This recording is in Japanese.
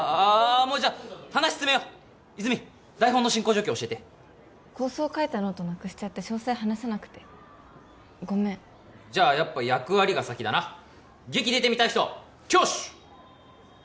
もうじゃあ話進めよう泉台本の進行状況教えて構想書いたノートなくしちゃって詳細話せなくてごめんじゃあやっぱ役割が先だな劇出てみたい人挙手！